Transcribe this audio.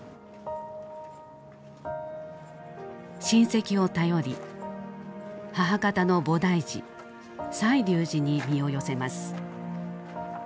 親戚を頼り母方の菩提寺西流寺に身を寄せます。